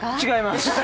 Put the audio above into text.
違います！